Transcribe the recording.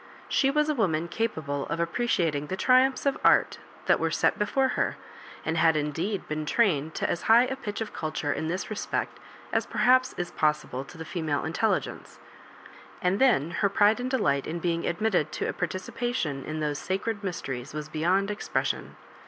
She was a woman capable of ap preciating the triumphs of art that were set be fore her ; and bad indeed been trained to as high a pitch of culture in this respect as perhaps is possible to the female intelligence ; and then her pride and delight in being admitted to a partici pation in those sacred mysteries was beyond ex pression.